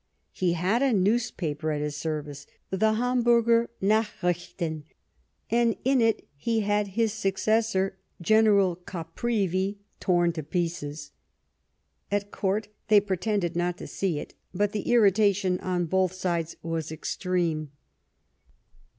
He had a newspaper at his service — the Hamburger Nachrichten, and in it he had his successor. General Caprivi, torn to pieces. At Court they pretended not to see it, but the irritation on both sides was extreme.